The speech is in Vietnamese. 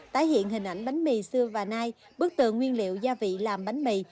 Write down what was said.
tái hiện hình ảnh bánh mì xưa và nay bức tường nguyên liệu gia vị làm bánh mì